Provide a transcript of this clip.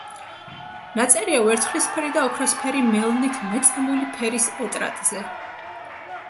ნაწერია ვერცხლისფერი და ოქროსფერი მელნით მეწამული ფერის ეტრატზე.